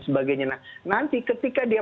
sebagainya nah nanti ketika dia